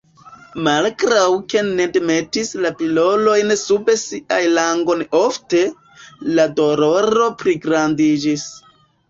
Malgraŭ ke Ned metis la pilolojn sub sian langon ofte, la doloro pligrandiĝis.